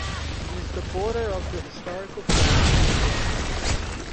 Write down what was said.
It is the border of the historical place New World.